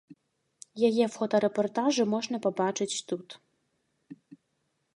Яе фотарэпартажы можна пабачыць тут.